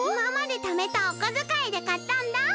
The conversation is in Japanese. いままでためたおこづかいでかったんだ。